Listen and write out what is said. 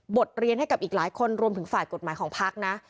เรียนให้กับอีกหลายคนรวมถึงฝ่ายกฎหมายของพักนะ